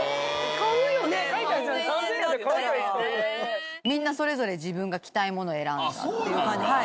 買いたいですね、３０００円みんな、それぞれ自分が着たいもの選んだっていう感じ。